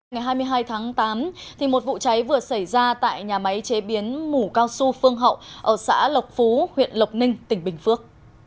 ngày hai mươi hai tháng tám một vụ cháy vừa xảy ra tại nhà máy chế biến mủ cao su phương hậu ở xã lộc phú huyện lộc ninh tỉnh bình phước